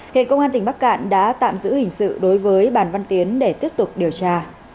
hiện công an tỉnh bắc cạn đã tạm giữ hình sự đối với bàn văn tiến để tiếp tục điều tra